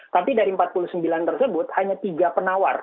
tapi dari empat puluh sembilan tersebut hanya tiga penawar